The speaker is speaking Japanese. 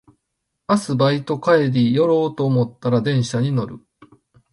明日バイト帰り寄ろうと思ったら電車に乗る